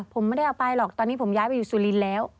ผมไม่ได้เอาไปหรอกตอนนี้ผมย้ายไปอยู่สุรินทร์แล้ว